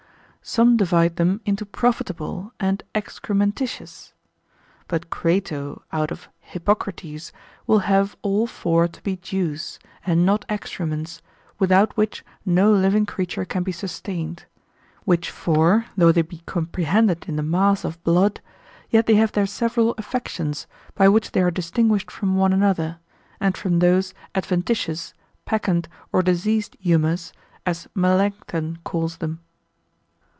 Some divide them into profitable and excrementitious. But Crato out of Hippocrates will have all four to be juice, and not excrements, without which no living creature can be sustained: which four, though they be comprehended in the mass of blood, yet they have their several affections, by which they are distinguished from one another, and from those adventitious, peccant, or diseased humours, as Melancthon calls them.